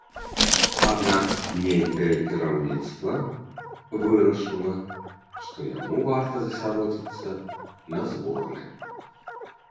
Аднак нейкае кіраўніцтва вырашыла, што яму варта засяродзіцца на зборнай.